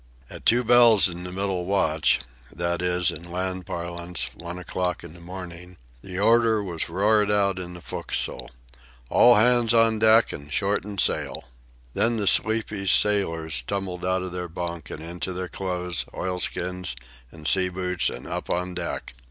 At two bells in the middle watch that is, in land parlance one o'clock in the morning the order was roared out on the fo'castle: "All hands on deck and shorten sail!" Then the sleepy sailors tumbled out of their bunk and into their clothes, oil skins, and sea boots and up on deck.